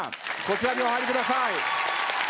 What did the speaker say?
こちらにお入りください。